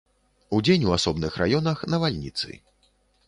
Удзень у асобных раёнах навальніцы.